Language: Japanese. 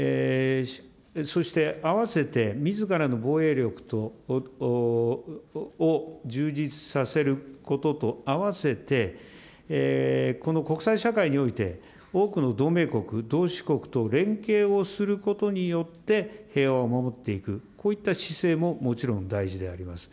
そして、あわせてみずからの防衛力を充実させることとあわせて、この国際社会において、多くの同盟国、同志国と連携をすることによって、平和を守っていく、こういった姿勢ももちろん大事であります。